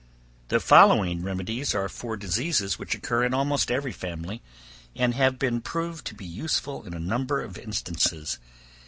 The following remedies are for diseases which occur in almost every family, and have been proved to be useful in a number of instances.